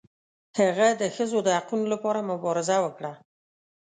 هغه د ښځو د حقونو لپاره مبارزه وکړه.